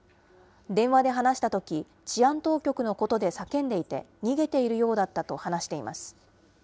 電話で話したとき、治安当局のことで叫んでいて、逃げているようだったと話しています。